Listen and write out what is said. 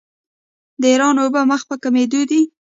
د ایران اوبه مخ په کمیدو دي.